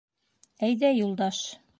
— Әйҙә, Юлдаш.